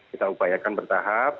kita upayakan bertahap